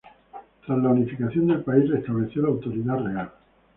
Tras la unificación del país restableció la autoridad real.